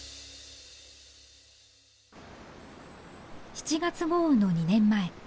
７月豪雨の２年前。